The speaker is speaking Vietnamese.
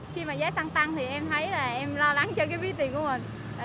khi mà giá xăng tăng thì em thấy là em lo lắng cho cái ví tiền của mình